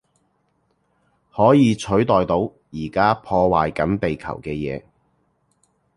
可以取代到而家破壞緊地球嘅嘢